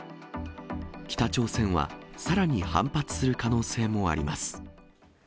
北朝鮮はさらに反発する可能性もあります。